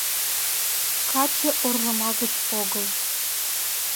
Каче орлыма гыч огыл...